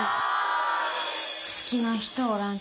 ・好きな人おらんと？